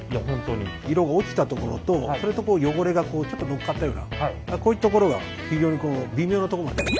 色が落ちたところと汚れがちょっと乗っかったようなこういうところが非常に微妙なところまで。